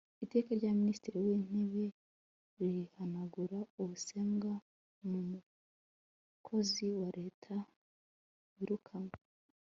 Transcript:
iteka rya minisitiri w'intebe rihanagura ubusembwa ku mukozi wa leta wirukanywe